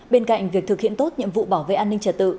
bên cạnh việc thực hiện tốt nhiệm vụ bảo vệ an ninh trật tự